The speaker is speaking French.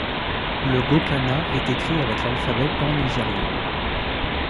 Le gokana est écrit avec l’alphabet pan-nigérian.